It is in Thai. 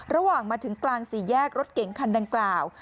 ระหว่างมาถึงกลางสี่แยกรถเก๋งคันดังกล่าว